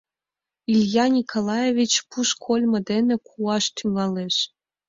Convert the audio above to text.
Илья Николаевич пуш кольмо дене куаш тӱҥалеш.